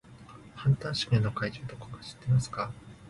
ハンター試験の会場どこか知っていますか？